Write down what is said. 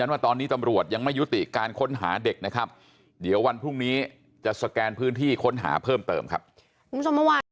มันช่วงมือว่านั้นก็ไม่ใช่ของเด็กชายวัย๘เดือน